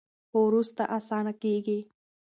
خو وروسته اسانه کیږي.